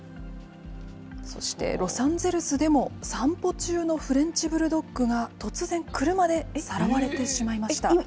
そしてロサンゼルスでも、散歩中のフレンチブルドッグが突然、車でさらわれてしまいました。